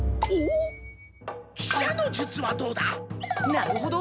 なるほど。